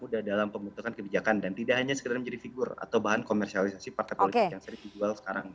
sudah dalam pembentukan kebijakan dan tidak hanya sekedar menjadi figur atau bahan komersialisasi partai politik yang sering dijual sekarang